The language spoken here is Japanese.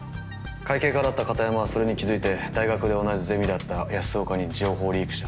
会計課だった片山はそれに気づいて大学で同じゼミだった安岡に情報をリークした。